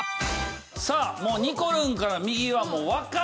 さあもうにこるんから右はもうわからない。